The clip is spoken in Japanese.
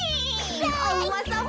おうまさん